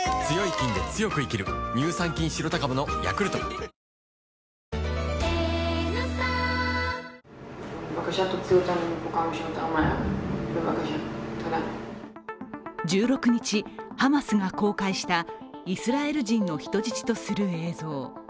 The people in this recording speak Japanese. ニトリ１６日、ハマスが公開したイスラエル人の人質とする映像。